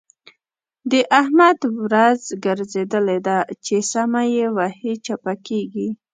د احمد ورځ ګرځېدل ده؛ چې سمه يې وهي - چپه کېږي.